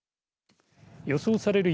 予想される